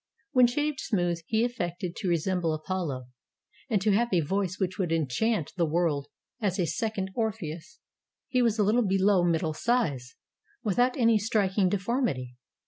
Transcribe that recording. When shaved smooth, he affected to resemble Apollo, and to have a voice which would enchant the world as a second Orpheus. He was a Uttle below middle size, without any striking deform ity.